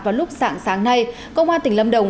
vào lúc sáng sáng nay công an tỉnh lâm đồng